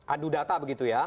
aduh data begitu ya